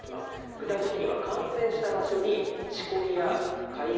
具体的には感染した場所にしこりや潰瘍などが現れます。